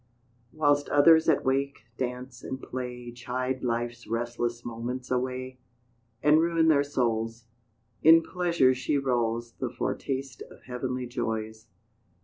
Whilst others at wake, dance, and play Chide life's restless moments away, And ruin their souls In pleasure she rolls, The foretaste of heavenly joys.